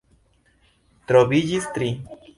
Troviĝis tri.